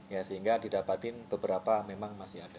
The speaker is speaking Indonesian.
ya sehingga didapatin beberapa memang masih ada